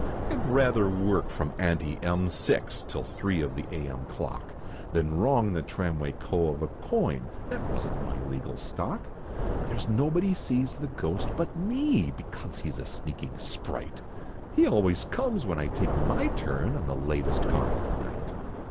I'd rather work from ante M, six Till three of the A.M. clock, Than wrong the tramway co. of a coin, That wasn't my legal stock. There's nobody sees the ghost but me, Because he's a sneaking sprite, He always comes when I take my turn On the latest car at night.